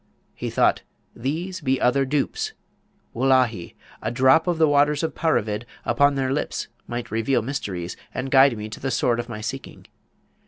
He thought, 'These be other dupes! Wallaby! a drop of the waters of Paravid upon their lips might reveal mysteries, and guide me to the Sword of my seeking.'